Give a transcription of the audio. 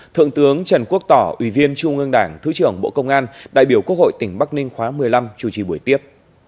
thượng tướng trần quốc tỏ ủy viên trung ương đảng thứ trưởng bộ công an đại biểu quốc hội tỉnh bắc ninh khóa một mươi năm chủ trì buổi tiếp